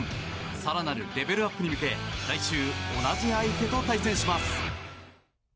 更なるレベルアップに向け来週、同じ相手と対戦します。